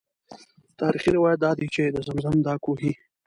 تاریخي روایات دادي چې د زمزم دا کوهی.